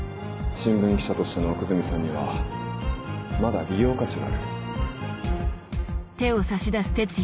新聞記者としての奥泉さんにはまだ利用価値がある。